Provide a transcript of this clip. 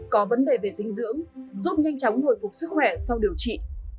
có vấn đề về dinh dưỡng giúp nhanh chóng hồi phục sức khỏe sau điều trị